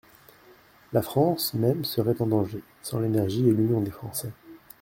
La France même serait en danger, sans l'énergie et l'union des Français.